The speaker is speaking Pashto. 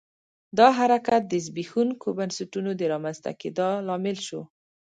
دا حرکت د زبېښونکو بنسټونو د رامنځته کېدا لامل شو.